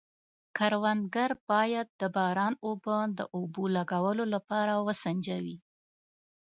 کروندګر باید د باران اوبه د اوبو لګولو لپاره وسنجوي.